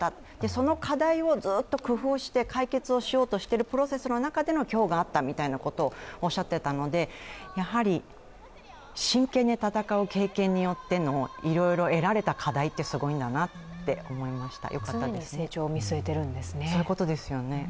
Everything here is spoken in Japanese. その課題をずっと工夫して解決しようとしているプロセスの中で今日があったみたいなことをおっしゃっていたので、やはり真剣に戦う経験によってのいろいろ得られた課題ってすごいなと思いました。